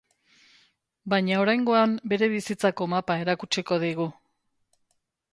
Baina oraingoan bere bizitzako mapa erakutsiko digu.